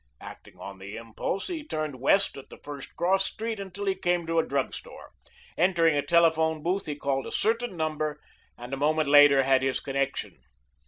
Acting on the impulse he turned west at the first cross street until he came to a drugstore. Entering a telephone booth he called a certain number and a moment later had his connection.